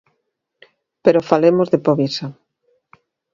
Pero falemos de Povisa.